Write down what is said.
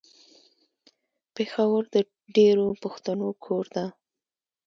پېښور د ډېرو پښتنو کور ده.